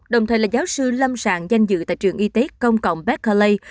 đồng thời là giáo sư lâm sàng danh dự tại trường y tế công cộng becallay